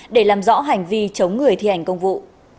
để làm rõ hành vi chống người thi hành công vụ